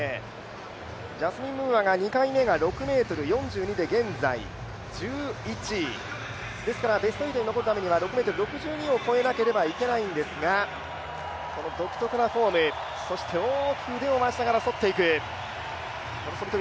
ジャスミン・ムーアは２回目は６ｍ４２で現在１１位、ですからベスト８に残るためには６ｍ６２を超えなければいけないんですが独特なフォーム、大きく腕を回しながらそっていく。